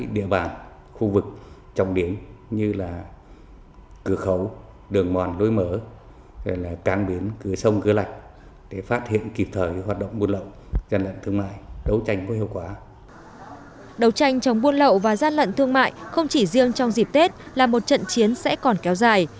đấu tranh chống buôn lậu và gian lận thương mại không chỉ riêng trong dịp tết là một trận chiến sẽ còn kéo dài